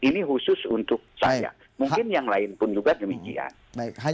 ini khusus untuk saya mungkin yang lain pun juga demikian